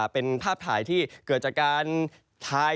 เป็นภาพถ่ายที่เกิดจากการถ่าย